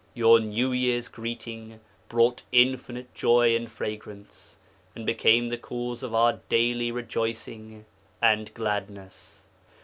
Your New Year's greeting brought infinite joy and fragrance, and became the cause of our daily rejoicing and gladness.